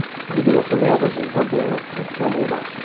Rue de la Fauverge, vingt et un, cinq cents Montbard